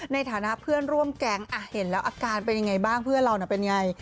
ในฐานะเพื่อนร่วมแก๊งเห็นแล้วอาการเป็นยังไงบ้างเพื่อนเราน่ะเป็นไง